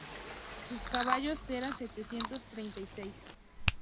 Sus caballos eran setecientos treinta y seis;